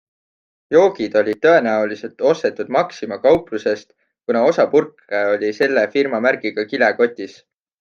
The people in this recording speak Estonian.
Joogid olid tõenäoliselt ostetud Maxima kauplusest, kuna osa purke oli selle firmamärgiga kilekotis.